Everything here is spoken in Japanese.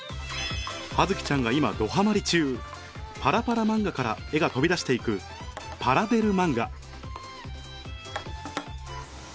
葉月ちゃんが今どハマり中パラパラ漫画から絵が飛び出して行くやる？